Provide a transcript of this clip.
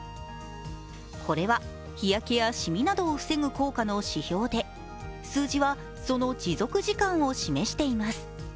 これは日焼けやシミなどを防ぐ効果の指標で数字はその持続時間を示しています。